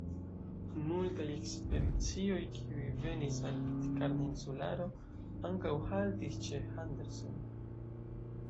Multaj ekspedicioj, kiuj venis al Pitkarna Insularo, ankaŭ haltis ĉe Henderson.